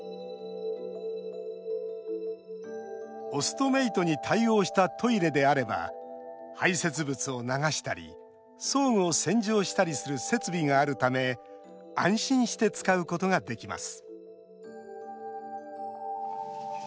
オストメイトに対応したトイレであれば排せつ物を流したり装具を洗浄したりする設備があるため安心して使うことができます